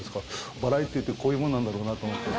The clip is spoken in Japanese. バラエティーってこういうものなんだろうなって。